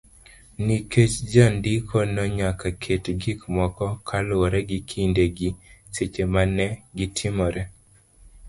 nikech jandikono nyaka ket gik moko kaluwore gi kinde gi seche ma ne gitimoree.